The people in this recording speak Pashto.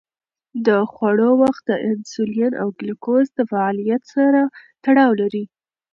د خوړو وخت د انسولین او ګلوکوز د فعالیت سره تړاو لري.